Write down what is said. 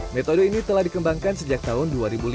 metode ini telah dikembangkan sejak tahun dua ribu lima